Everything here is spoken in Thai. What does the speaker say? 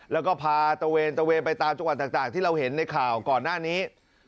แล้วก็พาตะเวนตะเวนไปตามจังหวัดต่างที่เราเห็นในข่าวก่อนหน้านี้